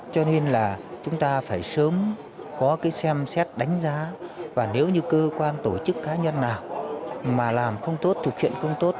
cho nên là chúng ta phải sớm có cái xem xét đánh giá và nếu như cơ quan tổ chức cá nhân nào mà làm không tốt thực hiện không tốt